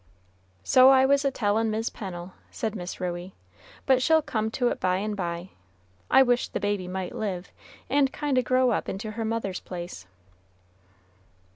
"So I was a tellin' Mis' Pennel," said Miss Ruey, "but she'll come to it by and by. I wish the baby might live, and kind o' grow up into her mother's place."